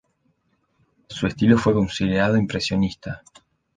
Su estilo fue considerado impresionista.